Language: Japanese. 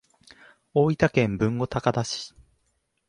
大分県豊後高田市